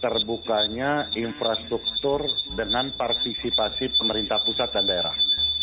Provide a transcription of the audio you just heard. terbukanya infrastruktur dengan partisipasi pemerintah pusat dan daerah